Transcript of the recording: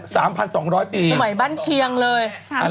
สมัยบ้านเชียงเลย